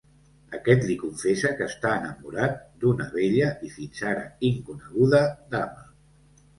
Aquest li confessa que està enamorat d'una bella, i fins ara inconeguda, dama.